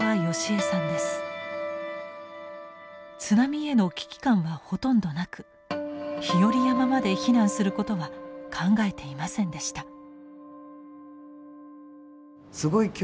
津波への危機感はほとんどなく日和山まで避難することは考えていませんでした。